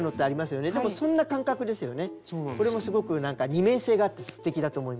これもすごく二面性があってすてきだと思います。